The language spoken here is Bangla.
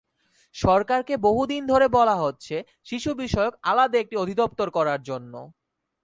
সরকারকে বহু দিন ধরে বলা হচ্ছে শিশুবিষয়ক আলাদা একটি অধিদপ্তর করার জন্য।